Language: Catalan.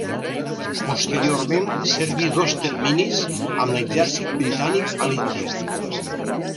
Posteriorment serví dos terminis amb l'exèrcit britànic a l'Índia.